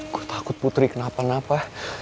kok takut putri kenapa napa